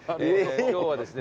今日はですね